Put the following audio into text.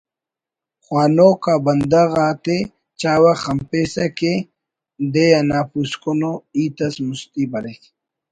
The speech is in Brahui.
خوانوک آ بندغ آتے چاوہ خنپیسہ کہ دے انا پوسکن ءُ ہیت اس مستی بریک